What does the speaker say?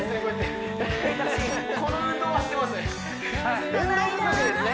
この運動はしてますね